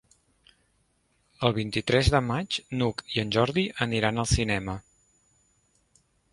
El vint-i-tres de maig n'Hug i en Jordi aniran al cinema.